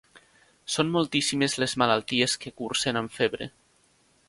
Són moltíssimes les malalties que cursen amb febre.